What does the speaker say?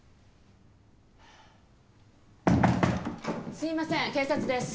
・すいません警察です。